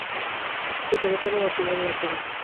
Su cabecera es la ciudad de Atenas.